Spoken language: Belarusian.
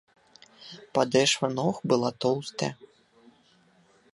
Падэшва ног была тоўстая.